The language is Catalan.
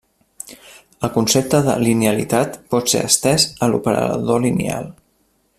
El concepte de linealitat pot ser estès a l'operador lineal.